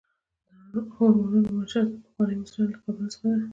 د هرمونو منشا د پخوانیو مصریانو له قبرونو څخه ده.